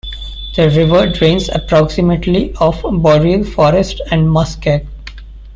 The river drains approximately of boreal forest and muskeg.